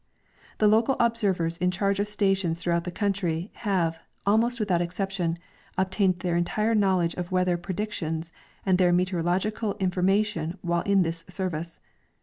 The local observers in charge of stations throughout the countrj^ have, almost without exception, obtained their entire knowledge of weather predictions and their meteorological in formation while in this service.